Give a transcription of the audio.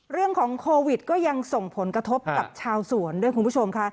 เรื่องของโควิดก็ยังส่งผลกระทบกับชาวสวนด้วยคุณผู้ชมค่ะ